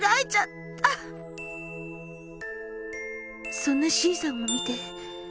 そんなＣさんを見て。